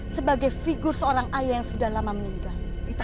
sebagai figu seorang ayah yang sudah lama meninggal